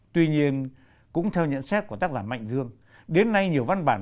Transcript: tuy nhiên cũng theo nhận xét của tác giả mạnh dương đến nay nhiều văn bản